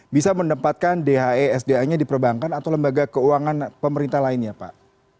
bisa menempatkan dhe sda nya di perbankan atau lembaga keuangan pemerintah lainnya pak